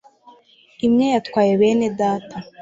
Imwe yatwaye bene data